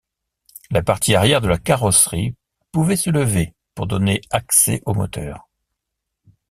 La partie arrière de la carrosserie pouvait se lever pour donner accès au moteur.